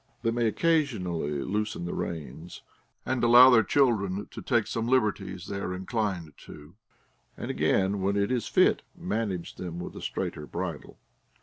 They may occasionally loosen the reins, and allow their children to take some liberties they are inclined to, and again, when it is fit, manage them with a straighter bridle.